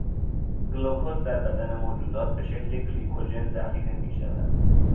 گلوکز در بدن موجودات به شکل گلیکوژن ذخیره می شود.